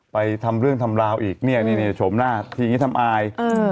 ทำเรื่องทำราวอีกเนี่ยนี่โฉมหน้าทีนี้ทำอาย